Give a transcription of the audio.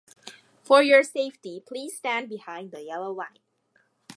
For your safety, please stand behind the yellow line.